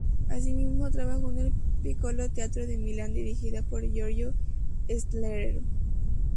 Asimismo, trabajó en el Piccolo Teatro de Milán dirigida por Giorgio Strehler.